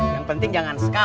yang penting jangan seka